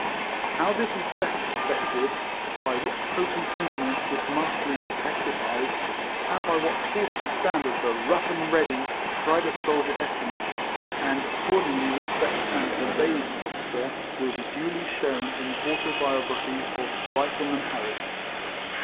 How this is best effected — by what potent influence this mastery is exercised — and by what sort of standard the " rough and ready" private soldier estimates, and accordingly respects and obeys his officer, will be duly shewn in the autobiography of Kifleman Harris.